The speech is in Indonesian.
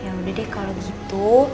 ya udah deh kalau begitu